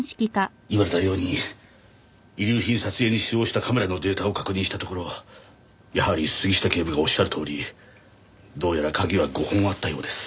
言われたように遺留品撮影に使用したカメラのデータを確認したところやはり杉下警部がおっしゃるとおりどうやら鍵は５本あったようです。